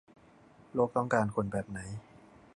โลกต้องการคนแบบไหน